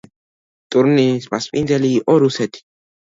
ტურნირის მასპინძელი იყო რუსეთი.